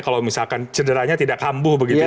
kalau misalkan cederanya tidak kambuh